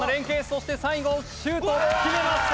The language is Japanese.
そして最後シュート決めました！